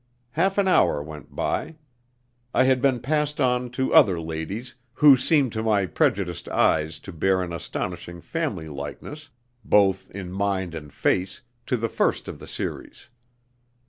Half an hour went by. I had been passed on to other ladies, who seemed to my prejudiced eyes to bear an astonishing family likeness, both in mind and face, to the first of the series.